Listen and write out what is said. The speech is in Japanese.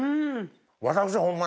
私ホンマ